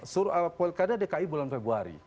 survei pekadai dki bulan februari